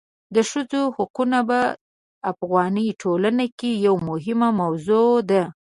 د ښځو حقونه په افغاني ټولنه کې یوه مهمه موضوع ده.